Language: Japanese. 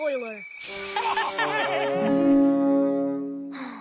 はあ。